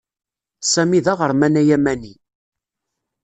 Sami d aɣerman ayamani.